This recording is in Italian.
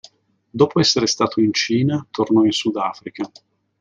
Dopo essere stato in Cina tornò in Sudafrica.